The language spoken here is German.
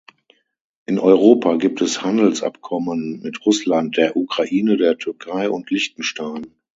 In Europa gibt es Handelsabkommen mit Russland, der Ukraine, der Türkei und Liechtenstein.